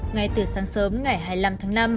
ngay từ sáng sớm ngày hai mươi năm tháng năm